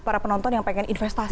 para penonton yang pengen investasi